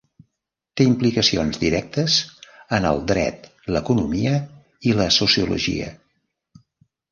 Té implicacions directes en el dret, l'economia i la sociologia.